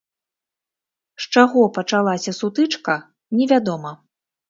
З чаго пачалася сутычка, невядома.